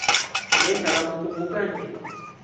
Oneetaba mu kuvuganya?